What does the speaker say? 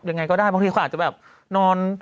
ยังไงก็ได้บางทีเขาอาจจะแบบนอน